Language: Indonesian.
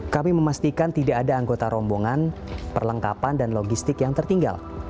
kami memastikan tidak ada anggota rombongan perlengkapan dan logistik yang tertinggal